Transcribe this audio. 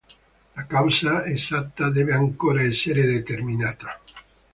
La causa esatta deve ancora essere determinata.